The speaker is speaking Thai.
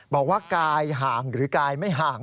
บอกว่ากายห่างหรือกายไม่ห่าง